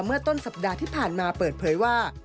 เมื่อต้นสัปดาห์ที่ผ่านมาเปิดเผยว่า